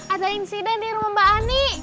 ada insiden di rumah mbak ani